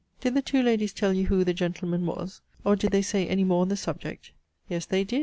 Did the two ladies tell you who the gentleman was? Or, did they say any more on the subject? Yes, they did!